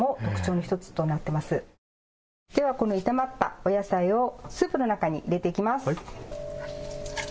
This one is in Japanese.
では、この炒まったお野菜をスープの中に入れていきます。